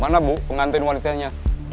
mana bu pengantin wanitanya